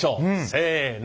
せの。